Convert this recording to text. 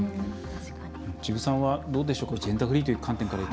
治部さんはどうでしょうか。